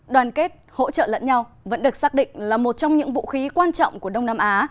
đoàn kết hỗ trợ lẫn nhau vẫn được xác định là một trong những vũ khí quan trọng của đông nam á